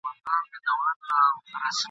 پر مزار به مي څراغ د میني بل وي ..